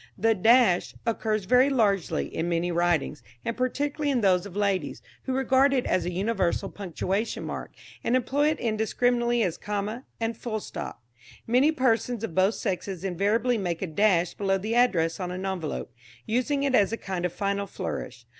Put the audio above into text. The dash () occurs very largely in many writings, and particularly in those of ladies, who regard it as a universal punctuation mark, and employ it indiscriminately as comma and full stop. Many persons of both sexes invariably make a dash below the address on an envelope, using it as a kind of final flourish.